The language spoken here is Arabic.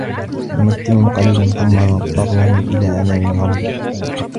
نُمَتِّعُهُم قَليلًا ثُمَّ نَضطَرُّهُم إِلى عَذابٍ غَليظٍ